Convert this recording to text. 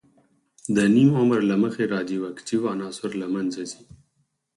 د نیم عمر له مخې رادیواکتیو عناصر له منځه ځي.